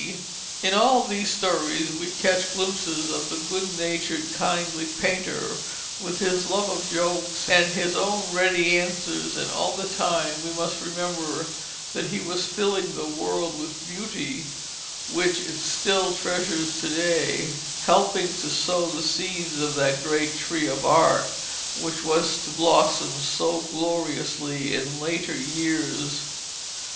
In all these stories we catch glimpses of the good natured kindly painter, with his love of jokes, and his own ready answers, and all the time we must remember that he was filling the world with beauty, which it still treasures to day, helping to sow the seeds of that great tree of Art which was to blossom so gloriously in later years.